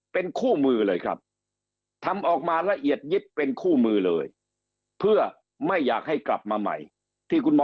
เป็นคู่มือเลยครับทำออกมาละเอียดยิบเป็นคู่มือเลยเพื่อไม่อยากให้กลับมาใหม่ที่คุณหมอ